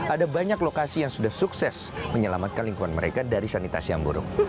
ada banyak lokasi yang sudah sukses menyelamatkan lingkungan mereka dari sanitasi yang buruk